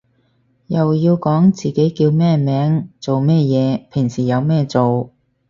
又要講自己叫咩名做咩嘢平時有咩做